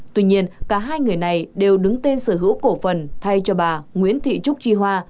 tuy nhiên cả hai người này đều đứng tên sở hữu cổ phần thay cho bà nguyễn thị trúc chi hoa